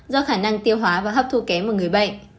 do khả năng tiêu hóa và hấp thu kém của người bệnh